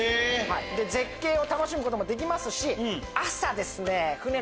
絶景を楽しむこともできますし。